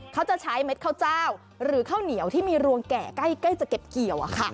เขาจะใช้เม็ดข้าวเจ้าหรือข้าวเหนียวที่มีรวงแก่ใกล้จะเก็บเกี่ยว